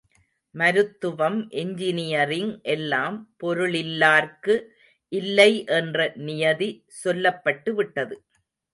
மருத்துவம் இஞ்சினியரிங் எல்லாம் பொருளில்லார்க்கு இல்லை என்ற நியதி சொல்லப்பட்டுவிட்டது.